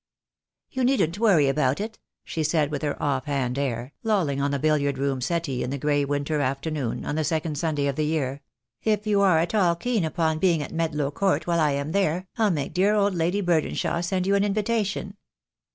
"You needn't worry about it," she said, with her off hand air, lolling on the billiard room settee in the grey winter afternoon, on the second Sunday of the year; "if you are at all keen upon being at Medlow Court while I am there, I'll make dear old Lady Burdenshaw send you an invitation."